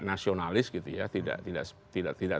nasionalis gitu ya tidak